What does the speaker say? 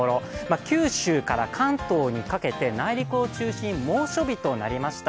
九州から関東にかけて、内陸を中心に猛暑日となりました。